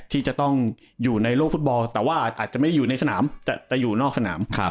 ที่จะต้องอยู่ในโลกฟุตบอลแต่ว่าอาจจะไม่ได้อยู่ในสนามแต่อยู่นอกสนาม